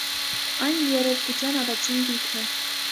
Այն եռերգության առաջին գիրքն է։